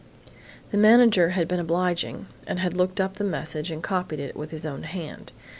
The manager had been obliging, had looked up the message and copied it with his own hand.